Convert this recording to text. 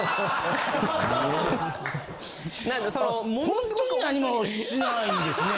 ホントに何もしないんですね